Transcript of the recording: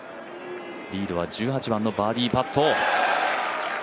リードは１８番のバーディーパット。